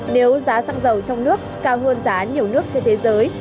nếu giá xăng dầu trong nước cao hơn giá nhiều nước trên thế giới